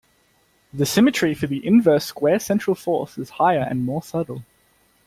The symmetry for the inverse-square central force is higher and more subtle.